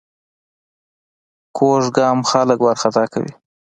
کوږ ګام خلک وارخطا کوي